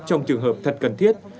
trong trường hợp thật cần thiết